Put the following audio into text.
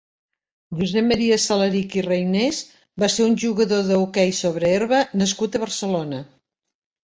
Josep Maria Salarich i Reynés va ser un jugador d'hoquei sobre herba nascut a Barcelona.